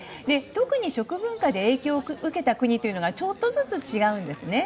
特に食文化で影響を受けた国というのがちょっとずつ違うんですね。